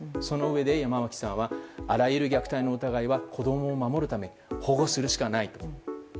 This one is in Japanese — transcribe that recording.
そのうえで山脇さんはあらゆる虐待の疑いは子供を守るため保護するしかない。